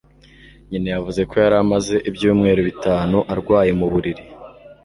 Nyina yavuze ko yari amaze ibyumweru bitanu arwaye mu buriri